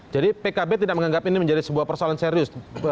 jadi pkb tidak menganggap ini menjadi sebuah persoalan serius